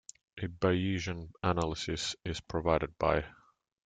A Bayesian analysis is provided by.